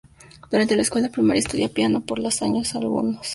Durante la escuela primaria estudia piano por algunos años.